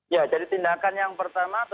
ya jadi tindakan yang pertama